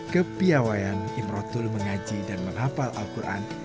kepiawaan imratul mengaji dan menghapal al quran